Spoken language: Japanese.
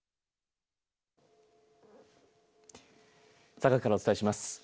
佐賀からお伝えします。